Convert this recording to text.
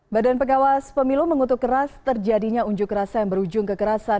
badan pengawas pemilu mengutuk keras terjadinya unjuk rasa yang berujung kekerasan